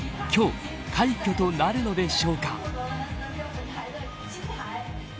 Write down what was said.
今日、快挙となるのでしょうか。